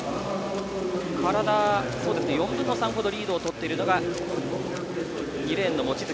体４分の３ほどリードをとっているのが望月。